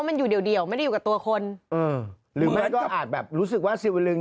อ่านี่เว่นี่เว่สีวรึงอ่ะ